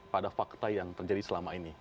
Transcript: pada fakta yang terjadi selama ini